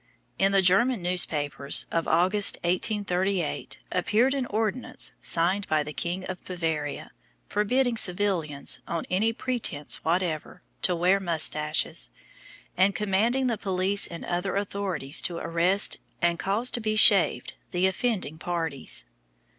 In the German newspapers, of August 1838, appeared an ordonnance, signed by the king of Bavaria, forbidding civilians, on any pretence whatever, to wear moustaches, and commanding the police and other authorities to arrest, and cause to be shaved, the offending parties.